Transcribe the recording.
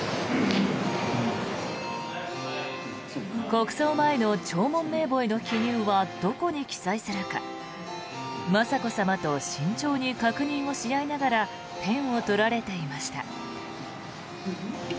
国葬前の弔問名簿への記入はどこへ記載するか雅子さまと慎重に確認をし合いながらペンを取られていました。